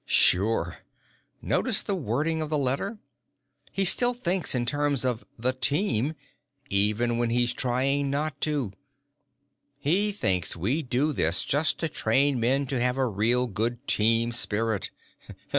"Sure. Notice the wording of the letter. He still thinks in terms of the Team, even when he's trying not to. He thinks we do this just to train men to have a real good Team Spirit.